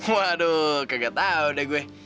waduh gak tau deh gue